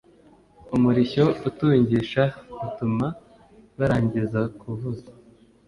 Umurishyo utungisha Utuma barangiza kuvuza